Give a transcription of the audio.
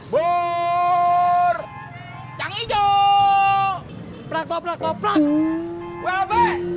burr yang hijau prang toprak toprak wp